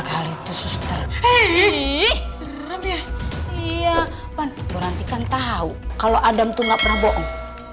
kali itu suster ini iya ban berhenti kan tahu kalau adam tuh nggak pernah bohong